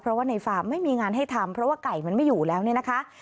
เพราะว่าในฟาร์มไม่มีงานให้ทำเพราะว่าไก่มันไม่อยู่แล้วเนี่ยนะคะ